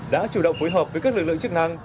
đã chủ động phối hợp với các lực lượng chức năng